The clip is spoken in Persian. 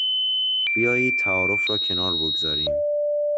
بیایید تعارف را کنار بگذاریم!